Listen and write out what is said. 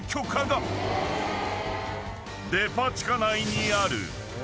［デパ地下内にある］